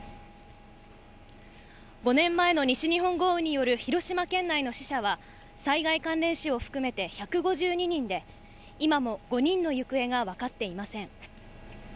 ５年前の西日本豪雨による広島県内の死者は、災害関連死を含めて１５２人で、今も５人の行方が分かっていません。